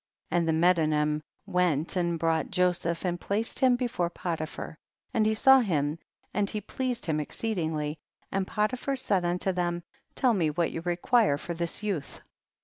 And the Medanim went and brought Joseph and placed him be fore Potiphar, and he saw him, and he pleased him exceedingly, and Potiphar said unto them, tell me what you require for this youth